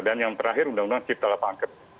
dan yang terakhir undang undang siptal apa angket